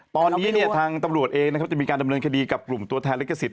ตอนนี้เนี่ยทางตำรวจเองนะครับจะมีการดำเนินคดีกับกลุ่มตัวแทนลิขสิท